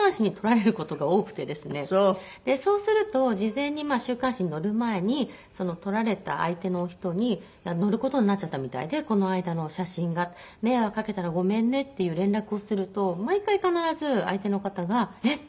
そうすると事前に週刊誌に載る前にその撮られた相手の人に「載る事になっちゃったみたいでこの間の写真が」。「迷惑かけたらごめんね」っていう連絡をすると毎回必ず相手の方が「えっ！